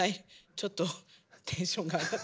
ちょっとテンションが。